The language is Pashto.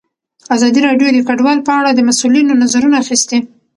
ازادي راډیو د کډوال په اړه د مسؤلینو نظرونه اخیستي.